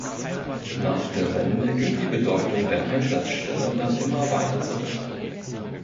Nach der Wende ging die Bedeutung der Einsatzstelle dann immer weiter zurück.